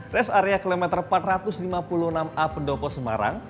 res area kilometer empat ratus lima puluh enam a pendopo semarang